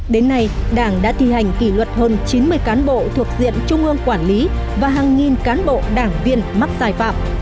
đến nay đảng đã thi hành kỷ luật hơn chín mươi cán bộ thuộc diện trung ương quản lý và hàng nghìn cán bộ đảng viên mắc sai phạm